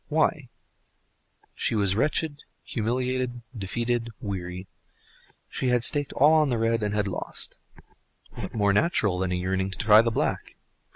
Why? She was wretched, humiliated, defeated, weary; she had staked all on the red, and had lost—what more natural than a yearning to try the black?